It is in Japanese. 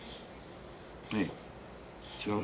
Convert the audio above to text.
ねえ違う？